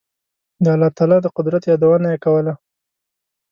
د الله تعالی د قدرت یادونه یې کوله.